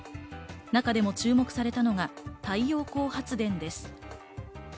中でも注目されたのは太陽光発電です。